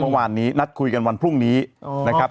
เมื่อวานนี้นัดคุยกันวันพรุ่งนี้นะครับ